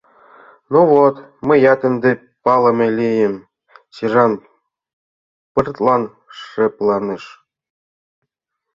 — Ну вот, мыят ынде палыме лийым... — сержант пыртлан шыпланыш!.